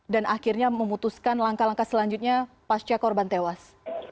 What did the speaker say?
dan akhirnya memutuskan langkah langkah selanjutnya pasca korban tewas